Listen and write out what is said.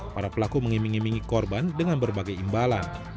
para pelaku mengimingi korban dengan berbagai imbalan